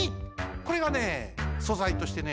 これがねそざいとしてね